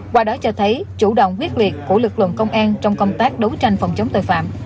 qua đó cho thấy chủ động quyết liệt của lực lượng công an trong công tác đấu tranh phòng chống tội phạm